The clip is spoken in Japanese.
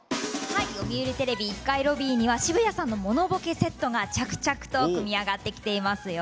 読売テレビ１階ロビーには渋谷さんの物ぼけセットが着々と組み上がってきていますよ。